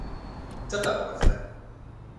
Дыкъэбгъэфэн?